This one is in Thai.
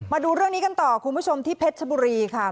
มาดูเรื่องนี้กันต่อคุณผู้ชมที่เพชรชบุรีค่ะ